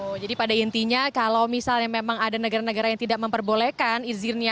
oh jadi pada intinya kalau misalnya memang ada negara negara yang tidak memperbolehkan izinnya